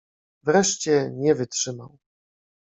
Wreszcie nie wytrzymał.